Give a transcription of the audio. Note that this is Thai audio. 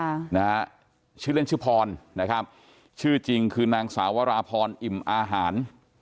นะฮะชื่อเล่นชื่อพรนะครับชื่อจริงคือนางสาวราพรอิ่มอาหาร